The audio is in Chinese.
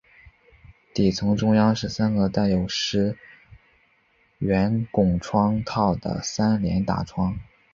底层中央是三个带有石圆拱窗套的三联大窗。